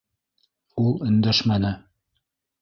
Ул өндәшмәне.